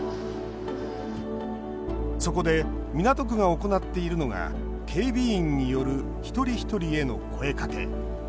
そこで、港区が行っているのが警備員による一人一人への声かけ。